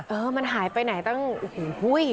เออมันหายไปไหนตั้งโอ้โห